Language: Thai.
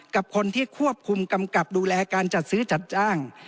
กับคนที่ควบคุมกำกับดูแลการจัดซื้อจัดจ้าง